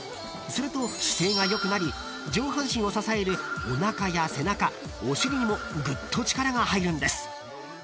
［すると姿勢が良くなり上半身を支えるおなかや背中お尻にもぐっと力が入るんです］